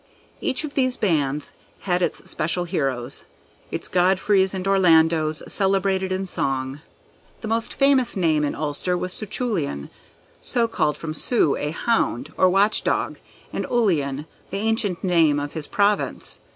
Each of these bands had its special heroes; its Godfreys and Orlandos celebrated in song; the most famous name in Ulster was Cuchullin: so called from cu, a hound, or watch dog, and Ullin, the ancient name of his province.